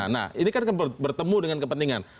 nah ini kan bertemu dengan kepentingan